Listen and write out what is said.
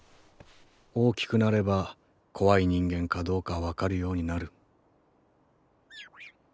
大きくなれば怖い人間かどうか分かるようになる。